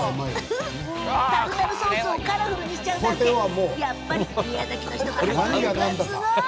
タルタルソースをカラフルにしちゃうなんてやっぱり宮崎の人の発想力はすごい！